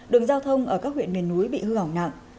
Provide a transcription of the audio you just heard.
đường giao thông ở các huyện miền núi bị ấm